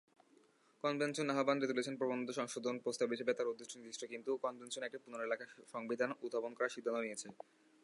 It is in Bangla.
কনভেনশন আহ্বান রেজুলেশন প্রবন্ধ সংশোধন প্রস্তাব হিসাবে তার উদ্দেশ্য নির্দিষ্ট, কিন্তু কনভেনশন একটি পুনরায় লেখা সংবিধান উত্থাপন করার সিদ্ধান্ত নিয়েছে।